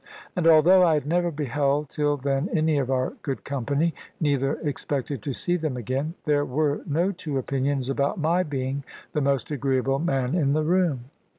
And although I had never beheld till then any of our good company, neither expected to see them again, there were no two opinions about my being the most agreeable man in the room.